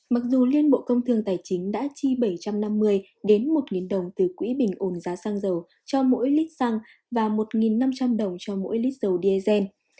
mặc dù liên bộ công thương tài chính đã chi bảy trăm năm mươi đến một đồng từ quỹ bình ổn giá xăng dầu cho mỗi lít xăng và một năm trăm linh đồng cho mỗi lít dầu diesel